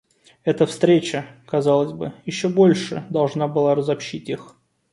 Эта встреча, казалось бы, еще больше должна была разобщить их.